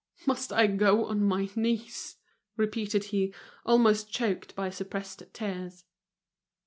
"Must I go on my knees?" repeated he, almost choked by suppressed tears.